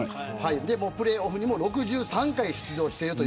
プレーオフにも６３回出場している。